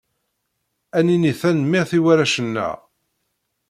Ad nini tanemmirt i warrac-nneɣ!